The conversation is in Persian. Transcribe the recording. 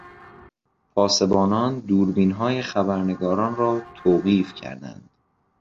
پاسبانان دوربینهای خبرنگاران را توقیف کردند.